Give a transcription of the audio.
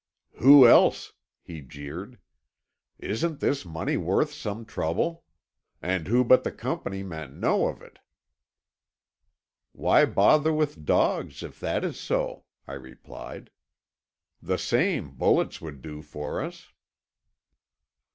"Who else?" he jeered. "Isn't this money worth some trouble? And who but the Company men know of it?" "Why bother with dogs if that is so?" I replied. "The same bullets would do for us."